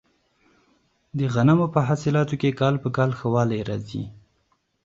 د غنمو په حاصلاتو کې کال په کال ښه والی راځي.